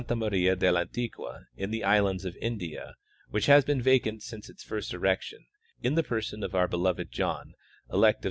Maria del Antiqua, in the island of India, which has been vacant since its first erection, in the person of our beloved John, elect of S.